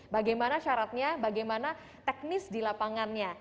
bagaimana syaratnya bagaimana teknis di lapangannya